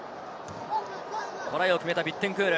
トライを決めたビッテンクール。